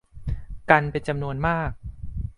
กันเป็นจำนวนมาก